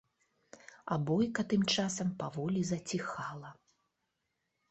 А бойка тым часам паволі заціхала.